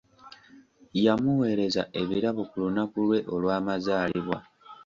Yamuweereza ebirabo ku lunaku lwe olwamazaalibwa.